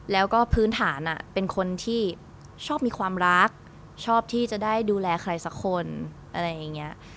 แล้วก็พื้นฐานเป็นคนที่ชอบมีความรักชอบที่จะได้ดูแลใครสักคนอะไรอย่างนี้